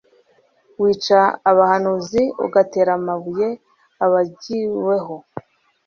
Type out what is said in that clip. Wica abahanuzi ugatera amabuye abagviuunweho,